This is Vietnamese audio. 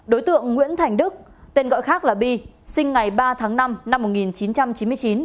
đối tượng nguyễn thành đức tên gọi khác là bi sinh ngày ba tháng năm năm một nghìn chín trăm chín mươi chín